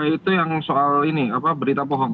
itu yang soal ini berita bohong